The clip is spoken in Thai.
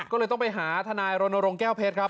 ก็เลยต้องไปหาทนายรณรงค์แก้วเพชรครับ